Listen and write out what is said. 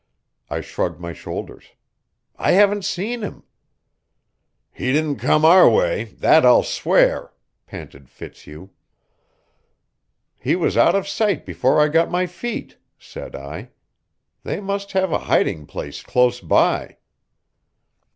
I shrugged my shoulders. "I haven't seen him." "He didn't come our way that I'll swear," panted Fitzhugh. "He was out of sight before I got my feet," said I. "They must have a hiding place close by."